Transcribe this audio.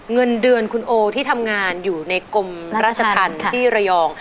เงินเดือนคุณโอที่ทำงานอยู่ในกรมราชธรรมที่ระยอง